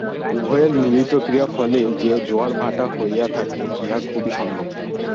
উভয়ের মিলিত ক্রিয়াফলেই যে জোয়ার-ভাঁটা হইয়া থাকে, ইহা খুবই সম্ভব।